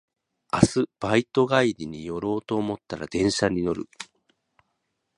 明日バイト帰り寄ろうと思ったら電車に乗る